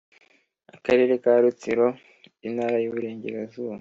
Akarere ka Rutsiro Intara y Iburengerazuba